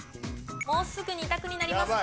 もうすぐ２択になります。